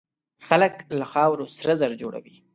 خلک له خاورو سره زر جوړوي.